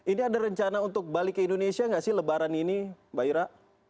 ini ada rencana untuk balik ke indonesia nggak sih lebaran ini mbak ira